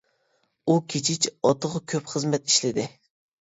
ئۇ كېچىچە ئاتىغا كۆپ خىزمەت ئىشلىدى.